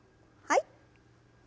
はい。